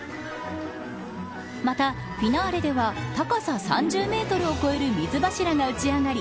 また、フィナーレでは高さ３０メートルを超える水柱が打ち上がり